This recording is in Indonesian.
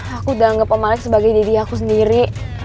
ya aku udah anggap om alex sebagai didiaku sendiri